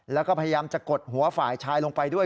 แล้วก็พยายามจะกดหัวฝ่ายชายลงไปด้วย